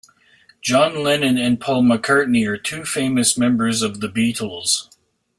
John Lennon and Paul McCartney are two famous members of the Beatles.